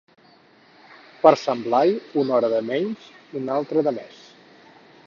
Per Sant Blai una hora de menys i una altra de mes.